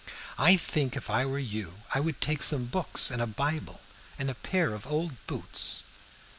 "I think if I were you I would take some books and a Bible and a pair of old boots."